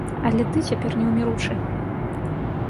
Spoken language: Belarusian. Але ты цяпер неўміручы.